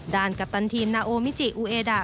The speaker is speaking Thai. กัปตันทีมนาโอมิจิอูเอดะ